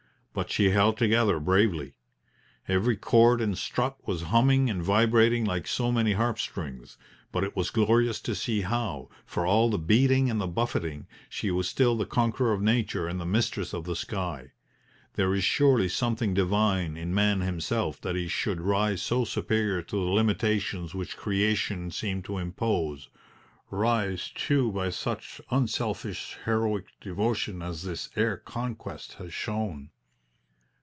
But she held together bravely. Every cord and strut was humming and vibrating like so many harp strings, but it was glorious to see how, for all the beating and the buffeting, she was still the conqueror of Nature and the mistress of the sky. There is surely something divine in man himself that he should rise so superior to the limitations which Creation seemed to impose rise, too, by such unselfish, heroic devotion as this air conquest has shown.